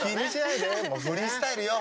もうフリースタイルよ。